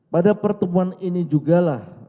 pada pertemuan ini juga lah